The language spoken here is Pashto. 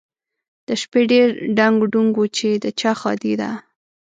د شپې ډېر ډنګ ډونګ و چې د چا ښادي ده؟